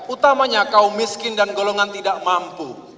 utamanya kaum miskin dan golongan tidak mampu